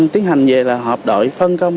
tiến hành về là hợp đội phân công